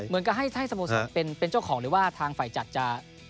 เหมือนก็ให้ซโมสรเป็นเจ้าของหรือว่าทางไฟจัดจะ